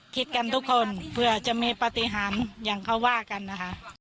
คิดกันทุกคนเผื่อจะมีปฏิหารอย่างเขาว่ากันนะคะ